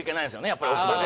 やっぱり奥歯で。